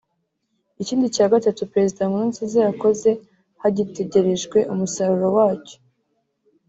Ikindi cya gatatu Perezida Nkurunziza yakoze hagitegerejwe umusaruro wacyo